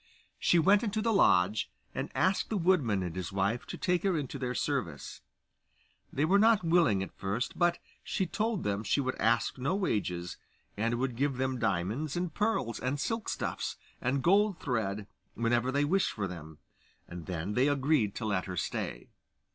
She went into the lodge, and asked the woodman and his wife to take her into their service. They were not willing at first; but she told them she would ask no wages, and would give them diamonds, and pearls, and silk stuffs, and gold thread whenever they wished for them, and then they agreed to let her stay.